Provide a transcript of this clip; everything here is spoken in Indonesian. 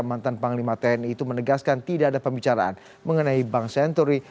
mantan panglima tni itu menegaskan tidak ada pembicaraan mengenai bank senturi